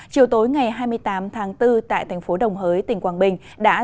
chiều tối ngày hai mươi tám tháng bốn tại thành phố đồng hới tỉnh quảng bình